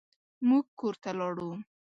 موږ کور ته لاړو.